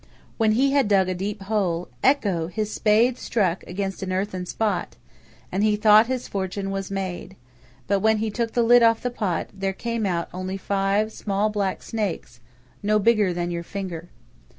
When he had dug a deep hole, Ecco! his spade struck against an earthen pot, and he thought his fortune was made; but when he took the lid off the pot, there came out only five small black snakes, no bigger than your finger.